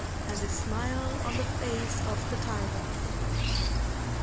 And the smile on the face of the Tiger.